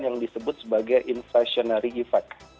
yang disebut sebagai inflationary effect